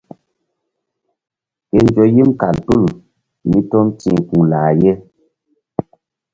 Ke nzo yim kal tul mí tom ti̧h ku̧ lah ye.